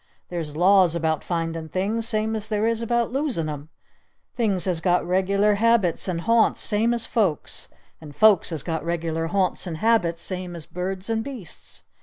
There's laws about findin' things same as there is about losin' 'em! Things has got regular habits and haunts same as Folks! And Folks has got regular haunts and habits same as birds and beasts!